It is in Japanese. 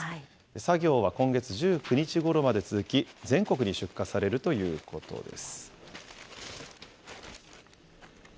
作業は今月１９日ごろまで続き、全国に出荷されるということです。